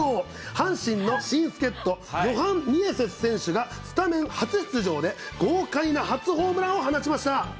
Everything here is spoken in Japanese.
阪神の新助っ人、ヨハン・ミエセス選手が、スタメン初出場で豪快な初ホームランを放ちました。